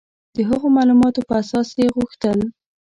د هغو معلوماتو په اساس یې غوښتل.